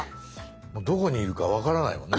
もうどこにいるか分からないもんね